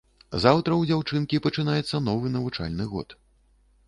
Заўтра ў дзяўчынкі пачынаецца новы навучальны год.